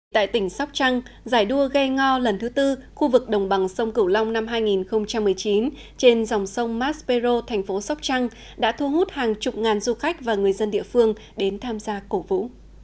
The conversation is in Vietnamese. tại tỉnh sóc trăng giải đua ghe ngò lần thứ tư khu vực đồng bằng sông cửu long năm hai nghìn một mươi chín trên dòng sông maspero thành phố sóc trăng đã thu hút hàng chục ngàn du khách và người dân địa phương đến tham gia cổ vũ